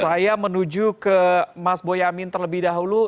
saya menuju ke mas boyamin terlebih dahulu